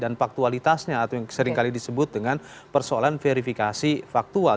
dan faktualitasnya atau yang seringkali disebut dengan persoalan verifikasi faktual